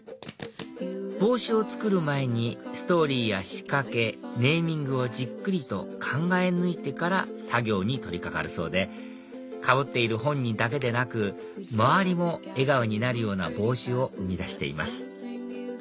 帽子を作る前にストーリーや仕掛けネーミングをじっくりと考え抜いてから作業に取り掛かるそうでかぶっている本人だけでなく周りも笑顔になるような帽子を生み出しています